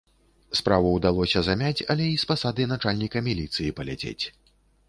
Справу ўдалося замяць, але і з пасады начальніка міліцыі паляцець.